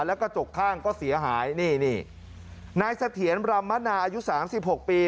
แล้วก็จกข้างก็เสียหายนี่นี่นายเสถียรรมณาอายุ๓๖ปี